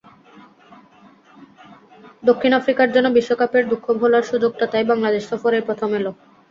দক্ষিণ আফ্রিকার জন্য বিশ্বকাপের দুঃখ ভোলার সুযোগটা তাই বাংলাদেশ সফরেই প্রথম এল।